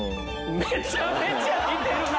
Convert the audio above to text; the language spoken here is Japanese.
めちゃめちゃ似てるな！